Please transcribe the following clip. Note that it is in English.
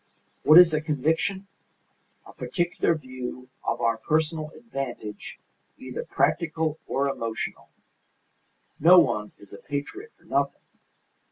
What is a conviction? A particular view of our personal advantage either practical or emotional. No one is a patriot for nothing.